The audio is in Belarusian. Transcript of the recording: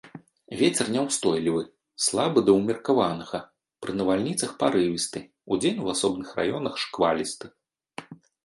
Вецер няўстойлівы, слабы да ўмеркаванага, пры навальніцах парывісты, удзень у асобных раёнах шквалісты.